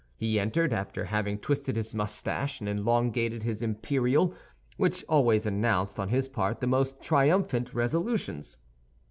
He entered, after having twisted his mustache and elongated his imperial, which always announced on his part the most triumphant resolutions.